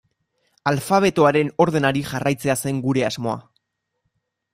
Alfabetoaren ordenari jarraitzea zen gure asmoa.